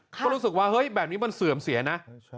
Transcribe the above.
ก็รู้สึกว่าเฮ้ยแบบนี้มันเสื่อมเสียนะ